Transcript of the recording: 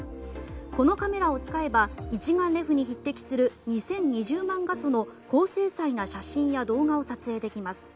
このカメラを使えば一眼レフに匹敵する２０２０万画素の高精細な写真や動画を撮影できます。